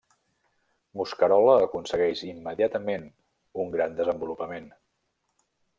Mosquerola aconsegueix immediatament un gran desenvolupament.